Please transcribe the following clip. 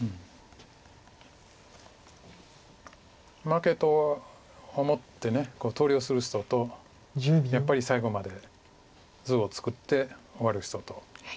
負けと思って投了する人とやっぱり最後まで図を作って終わる人と。